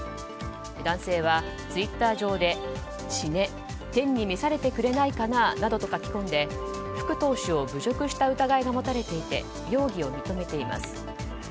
男性はツイッター上で死ね天に召されてくれないかななどと書き込んで、福投手を侮辱した疑いが持たれていて容疑を認めています。